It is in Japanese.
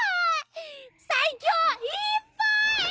最強いーっぱい！